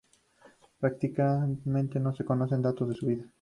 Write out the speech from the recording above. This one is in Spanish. Prácticamente no se conocen datos de su vida.